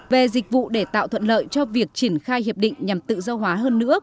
về dịch vụ để tạo thuận lợi cho việc triển khai hiệp định nhằm tự do hóa hơn nữa